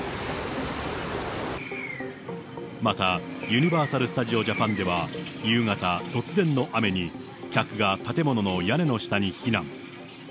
またユニバーサル・スタジオ・ジャパンでは夕方、突然の雨に客が建物の屋根の下に避難。